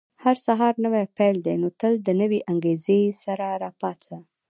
• هر سهار نوی پیل دی، نو تل له نوې انګېزې سره راپاڅه.